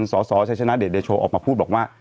สศชเดชโชออกมาพูดบอกว่า